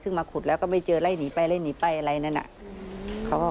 ถึงมาขุดแล้วก็ไม่เจอไล่หนีไปอะไรนะ